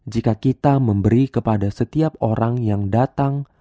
jika kita memberi kepada setiap orang yang datang